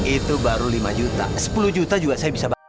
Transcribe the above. itu baru lima juta sepuluh juta juga saya bisa baca